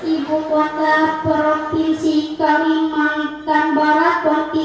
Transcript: ibu kota provinsi kalimantan barat bonti